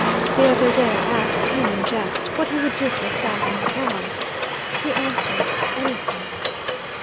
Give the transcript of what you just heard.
The other day, I asked him, in jest, what he would do for a thousand pounds. He answered, 'Anything.'